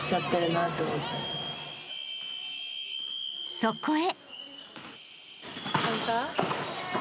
［そこへ］